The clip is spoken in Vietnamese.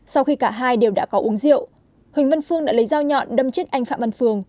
sau khi cả hai đều đã có uống rượu huỳnh văn phương đã lấy dao nhọn đâm chết anh phạm văn phương